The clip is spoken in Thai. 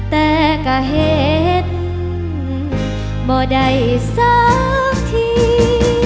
แต่ก็เห็นบ่ได้สักที